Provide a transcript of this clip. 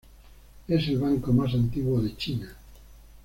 Es el banco más antiguo de China.